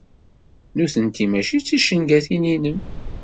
Nutenti mačči d ticengatin-inem.